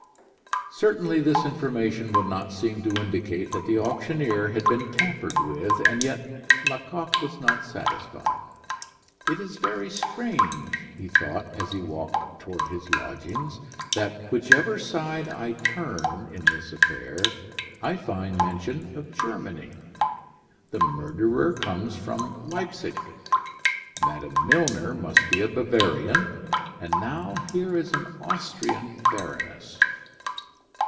Certainly this information would not seem to indicate that the auctioneer had been tampered with; and yet Lecoq was not satisfied. "It is very strange," he thought, as he walked toward his lodgings, "that whichever side I turn, in this affair, I find mention of Germany. The murderer comes from Leipsic, Madame Milner must be a Bavarian, and now here is an Austrian baroness."